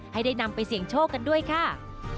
ให้ได้นำไปเสี่ยงโชคกันด้วยค่ะ